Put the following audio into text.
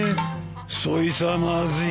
そいつはまずい。